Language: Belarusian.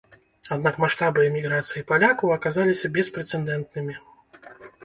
Аднак маштабы эміграцыі палякаў аказаліся беспрэцэдэнтнымі.